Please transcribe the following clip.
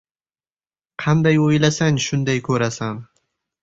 • Qanday o‘ylasang, shunday ko‘rasan.